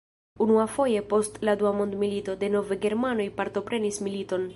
Unuafoje post la Dua mondmilito, denove germanoj partoprenis militon.